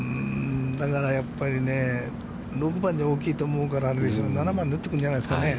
だからやっぱり６番じゃ大きいと思うから、７番で打ってくるんじゃないですかね。